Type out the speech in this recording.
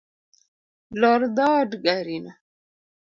Lor dhod garino.